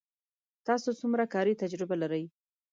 تاسو څومره کاري تجربه لرئ